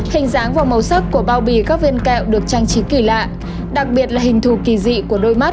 hình dáng và màu sắc của bao bì các viên kẹo được trang trí kỳ lạ đặc biệt là hình thù kỳ dị của đôi mắt